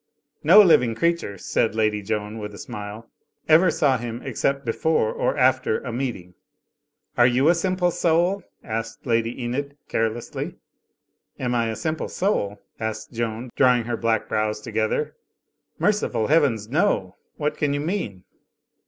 "No living creature," said Lady Joan, with a smile, "ever saw him except before or after a meeting." "Are you a Simple Soul?" asked Lady Enid, care lessly. "Am I a simple soul?" asked Joan, drawing her black brows together. "Merciful Heavens, no ! What can you mean?"